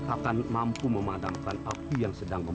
akan mampu memandangkan aku yang sedang gembara